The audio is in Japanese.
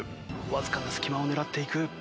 わずかな隙間を狙っていく。